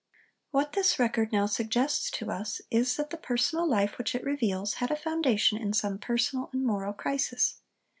What this record now suggests to us is that the personal life which it reveals had a foundation in some personal and moral crisis.